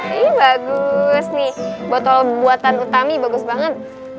ini bagus nih botol buatan utami bagus banget